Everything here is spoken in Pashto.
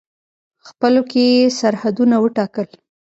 خپلو کې یې سرحدونه وټاکل.